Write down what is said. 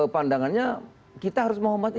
pandangannya kita harus menghormati